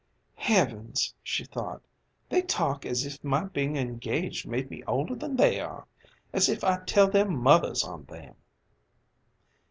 "Heavens," she thought, "They talk as if my being engaged made me older than they are as if I'd tell their mothers on them!"